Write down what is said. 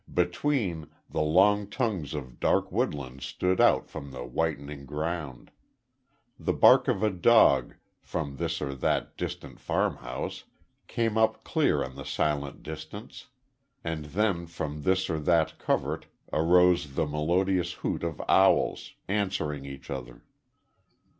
Between, the long tongues of dark woodland stood out from the whitened ground. The bark of a dog, from this or that distant farmhouse, came up clear on the silent distance, and then from this or that covert, arose the melodious hoot of owls, answering each other.